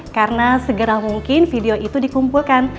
karena segera mungkin video itu dikumpulkan